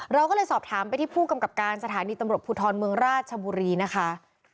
เราก็เลยสอบถามไปที่ผู้กำกับการสถานีตำรวจภูทรเมืองราชบุรีนะคะ